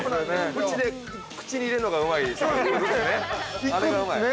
◆プチで、口に入れるのがうまいですよね。